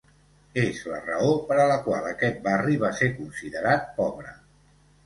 És la raó per a la qual aquest barri va ser considerat pobre.